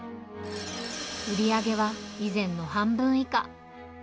売り上げは以前の半分以下。